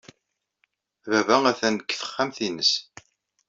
Baba atan deg texxamt-nnes.